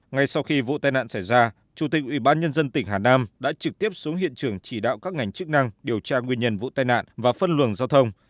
ngay sau khi vụ tai nạn xảy ra chủ tịch ubnd tỉnh hà nam đã trực tiếp xuống hiện trường chỉ đạo các ngành chức năng điều tra nguyên nhân vụ tai nạn và phân luồng giao thông